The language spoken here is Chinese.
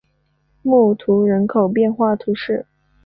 穆图人口变化图示